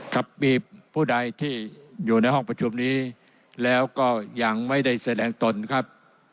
ครับมีผู้ใดที่อยู่ในห้องประชุมนี้แล้วก็ยังไม่ได้แสดงตนครับ